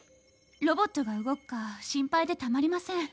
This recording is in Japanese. ロボットが動くか心配でたまりません。